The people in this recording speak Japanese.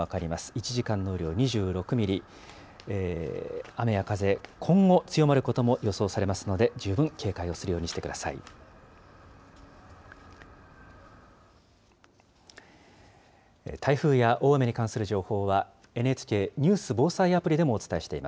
１時間の雨量２６ミリ、雨や風、今後強まることも予想されますので、十分警戒をするようにしてください。